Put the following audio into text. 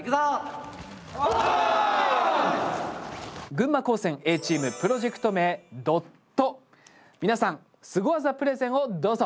群馬高専Ａチームプロジェクト名「ＤＯＴ」皆さんスゴ技プレゼンをどうぞ。